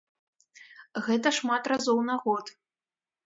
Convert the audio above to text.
Гэта шмат разоў на год.